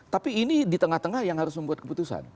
tapi ini di tengah tengah yang harus membuat keputusan